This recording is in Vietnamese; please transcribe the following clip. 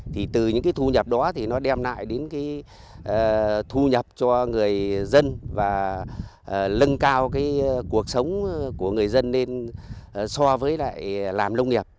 thì từ những cái thu nhập đó thì nó đem lại đến cái thu nhập cho người dân và lân cao cái cuộc sống của người dân lên so với lại làm nông nghiệp